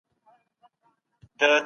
د کډوالو ماشومان د زده کړي حق لري.